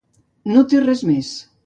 No té res més.